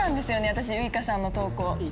私ウイカさんの投稿。